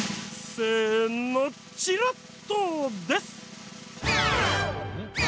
せのチラッとです！